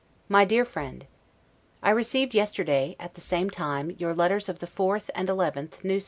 1751. MY DEAR FRIEND: I received yesterday, at the same time, your letters of the 4th and 11th, N. S.